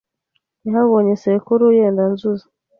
Yahabonye sekuru yendanzuzi